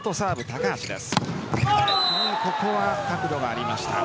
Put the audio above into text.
ここは角度がありました。